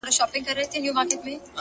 ستا تصوير خپله هينداره دى زما گراني ـ